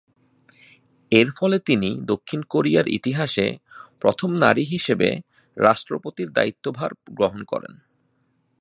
এর ফলে তিনি দক্ষিণ কোরিয়ার ইতিহাসে প্রথম নারী হিসেবে রাষ্ট্রপতির দায়িত্বভার গ্রহণ করেন।